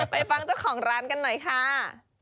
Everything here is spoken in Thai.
ไปฟังเจ้าของร้านกันหน่อยค่ะ